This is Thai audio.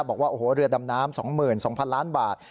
บอกว่าโอ้โหเรือดำน้ำ๒๒๐๐๐ล้านบาท